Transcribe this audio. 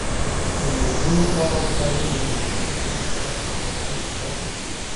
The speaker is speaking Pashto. د میرمنو کار او تعلیم مهم دی ځکه چې کار مهارتونو زدکړه کوي.